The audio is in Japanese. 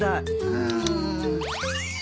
うん。